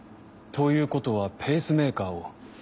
ということはペースメーカーを？